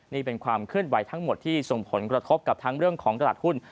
นี่เป็นความเคลื่อนไหวทั้งหมดที่ส่งผลกระทบกับทั้งเรื่องของตลาดหุ้น